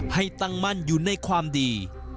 ให้ตั้งมั่นอยู่ในความดี